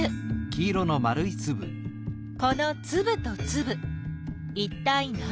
このつぶとつぶいったい何？